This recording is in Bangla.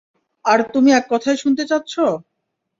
আর তুমি এক কথায় শুনতে চাচ্ছো?